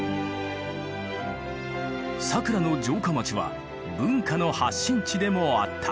佐倉の城下町は文化の発信地でもあった。